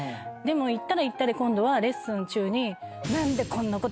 でも行ったら行ったで今度はレッスン中に。